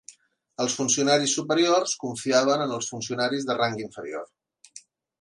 Els funcionaris superiors confiaven en els funcionaris de rang inferior.